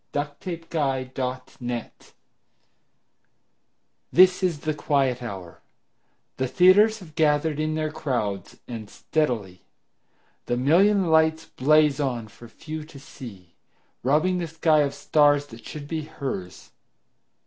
Sara Teasdale Broadway THIS is the quiet hour; the theaters Have gathered in their crowds, and steadily The million lights blaze on for few to see, Robbing the sky of stars that should be hers.